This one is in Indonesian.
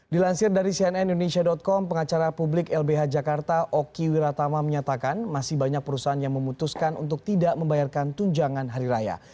dilansir dari cnn indonesia com pengacara publik lbh jakarta oki wiratama menyatakan masih banyak perusahaan yang memutuskan untuk tidak membayarkan tunjangan hari raya